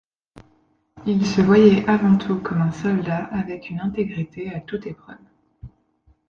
Il se voyait avant tout comme un soldat avec une intégrité à toute épreuve.